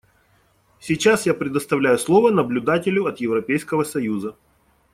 Сейчас я предоставляю слово наблюдателю от Европейского Союза.